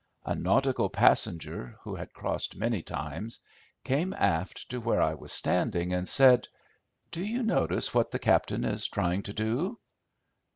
A nautical passenger, who had crossed many times, came aft to where I was standing, and said— "Do you notice what the captain is trying to do?"